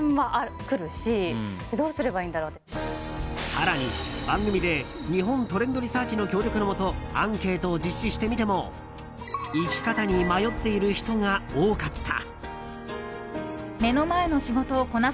更に、番組で日本トレンドリサーチの協力のもとアンケートを実施してみても生き方に迷っている人が多かった。